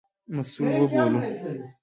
مسوول وبولو.